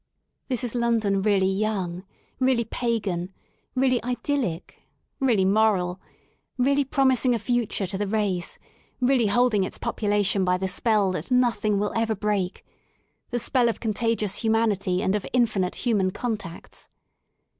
This is London really young, really pagan, really idyllic, really moral, really promising a future to the race, really holding its population by the spell that no thing will ever break, the spell of contagious humanity and of infinite human contacts.